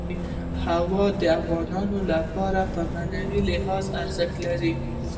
هوا د افغانانو لپاره په معنوي لحاظ ارزښت لري.